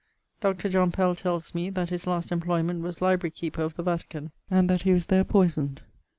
Dr. John Pell tells me, that his last employment was Library Keeper of the Vatican, and that he was there poysoned.